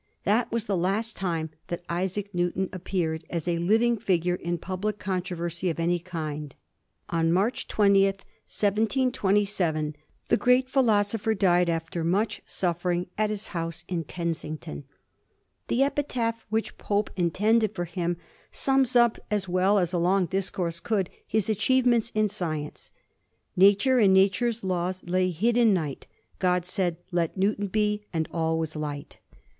That was the last time that Isaac Newton appeared as a living figure in public con troversy of any kind. On March 20, 1727, the great philosopher died, after much suffering, at his house in Kensington. The epitaph which Pope intended for him sums up as well as a long discourse could do his achievements in science — Nature and Nature's laws lay hid in night ; God said, ' Let Newton be/ and all was light.